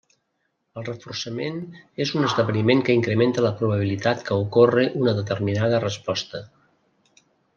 El reforçament és un esdeveniment que incrementa la probabilitat que ocorri una determinada resposta.